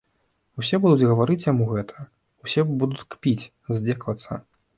Усе будуць гаварыць яму гэта, усе будуць кпіць, здзекавацца.